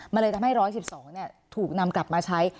มันเลยทำให้๑๑๒ถูกนำกลับมาใช้